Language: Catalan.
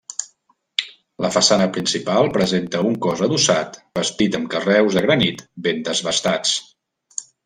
La façana principal presenta un cos adossat bastit amb carreus de granit ben desbastats.